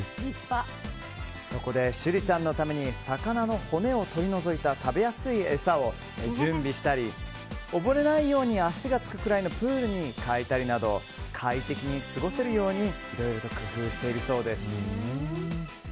そこで、シュリちゃんのために魚の骨を取り除いた食べやすい餌を準備したり溺れないように足がつくくらいのプールに変えたりなど快適に過ごせるようにいろいろと工夫しているそうです。